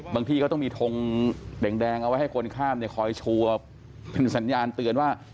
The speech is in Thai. ที่ก็ต้องมีทงแดงเอาไว้ให้คนข้ามเนี่ยคอยชัวร์เป็นสัญญาณเตือนว่า